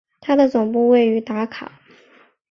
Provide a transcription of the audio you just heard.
它的总部位于达卡。